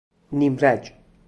نیم رج